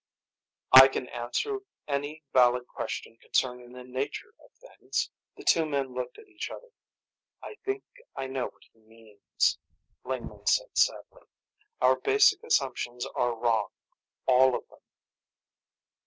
"I can answer any valid question concerning the nature of things." The two men looked at each other. "I think I know what he means," Lingman said sadly. "Our basic assumptions are wrong. All of them."